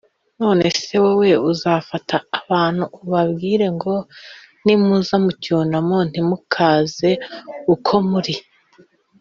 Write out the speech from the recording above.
none se wowe uzafata abantu ubabwire ngo nimuza mu cyunamo ntimukaze uko muri